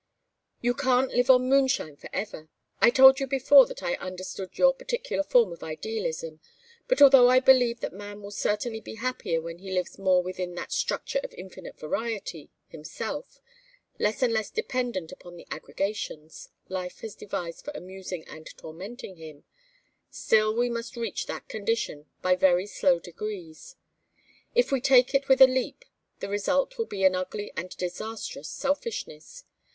"You can't live on moonshine for ever. I told you before that I understood your particular form of idealism; but although I believe that man will certainly be happier when he lives more within that structure of infinite variety, himself, less and less dependent upon the aggregations Life has devised for amusing and tormenting him, still we must reach that condition by very slow degrees; if we take it with a leap the result will be an ugly and disastrous selfishness.